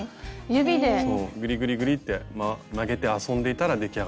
そうぐりぐりぐりって曲げて遊んでいたら出来上がった形です。